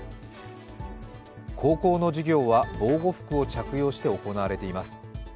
高校の授業は防護服を着用して行われています。